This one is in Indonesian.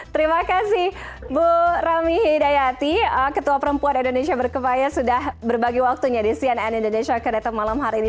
terima kasih bu rami hidayati ketua perempuan indonesia berkebaya sudah berbagi waktunya di cnn indonesia connected malam hari ini